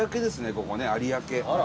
ここね、有明。